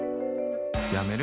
やめる？